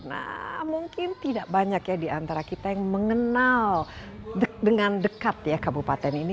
nah mungkin tidak banyak ya diantara kita yang mengenal dengan dekat ya kabupaten ini